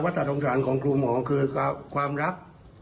วัตถ์ธรรมศาลของครูหมอคือความรับ